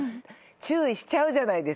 注意しちゃうじゃないですか。